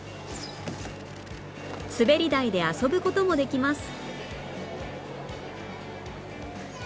滑り台で遊ぶ事もできます